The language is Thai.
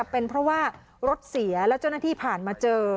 เป็นเพราะว่ารถเสียแล้วเจ้าหน้าที่ผ่านมาเจอ